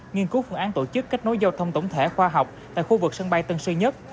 nghiên cứu phương án tổ chức kết nối giao thông tổng thể khoa học tại khu vực sân bay tân sư nhất